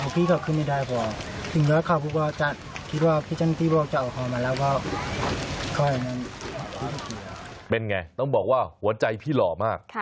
เป็นไงต้องบอกว่าหัวใจพี่หล่อมาก